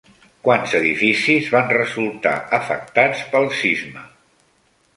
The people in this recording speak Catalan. Quants edificis van resultar afectats pel sisme?